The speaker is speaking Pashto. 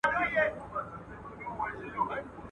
راشی د کرنې یو زوړ محصول دی.